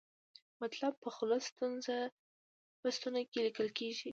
مطلب په خلص ستون کې لیکل کیږي.